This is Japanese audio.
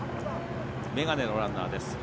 眼鏡のランナーです。